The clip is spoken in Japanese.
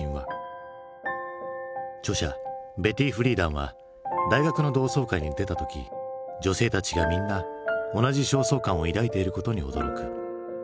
著者ベティ・フリーダンは大学の同窓会に出た時女性たちがみんな同じ焦燥感を抱いていることに驚く。